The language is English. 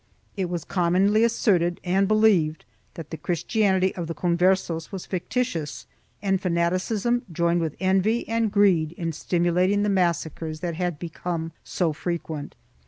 It was commonly asserted and believed that the Christianity of the Converses was fictitious, and fanaticism joined with envy and greed in stimulating the .massacres that had become so frequent.